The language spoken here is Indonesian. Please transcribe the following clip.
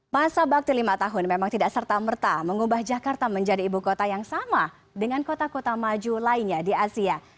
masa bakti lima tahun memang tidak serta merta mengubah jakarta menjadi ibu kota yang sama dengan kota kota maju lainnya di asia